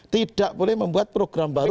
tidak boleh membuat program baru